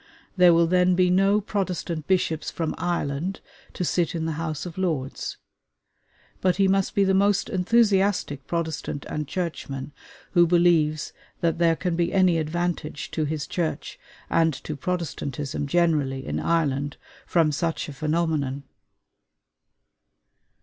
There will then be no Protestant bishops from Ireland to sit in the House of Lords; but he must be the most enthusiastic Protestant and Churchman who believes that there can be any advantage to his Church and to Protestantism generally in Ireland from such a phenomenon.